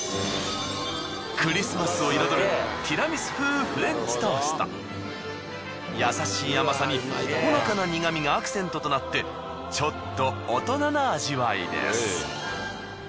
クリスマスを彩る優しい甘さにほのかな苦みがアクセントとなってちょっと大人な味わいです。